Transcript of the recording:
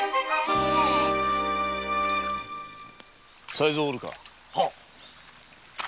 才三はおるか。